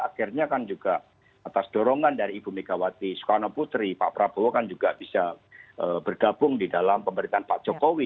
akhirnya kan juga atas dorongan dari ibu megawati sukarno putri pak prabowo kan juga bisa bergabung di dalam pemerintahan pak jokowi